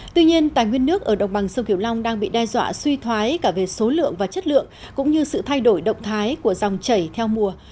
tuy nhiên tài nguyên nước ở đồng bằng sông kiểu long đang bị đe dọa suy thoái cả về số lượng và chất lượng cũng như sự thay đổi động thái của dòng chảy theo mùa